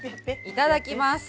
いただきます。